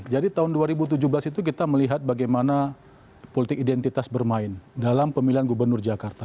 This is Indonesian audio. jadi tahun dua ribu tujuh belas itu kita melihat bagaimana politik identitas bermain dalam pemilihan gubernur jakarta